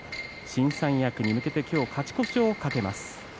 新三役に向けて今日、勝ち越しを懸けます。